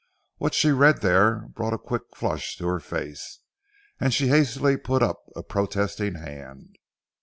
What she read there brought a quick flush to her face, and she hastily put up a protesting hand.